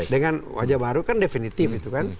dengan wajah baru kan definitif